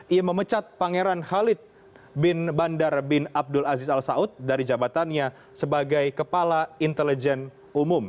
ia memecat pangeran khalid bin bandar bin abdul aziz al saud dari jabatannya sebagai kepala intelijen umum